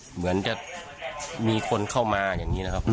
เหมือนจะมีคนเข้ามาอย่างนี้นะครับ